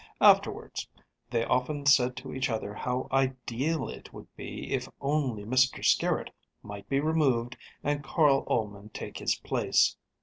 Afterwards they often said to each other how ideal it would be if only Mr Skerritt might be removed and Carl Ullman take his place.